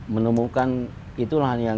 menemukan itulah yang